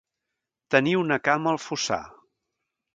Tenir una cama al fossar.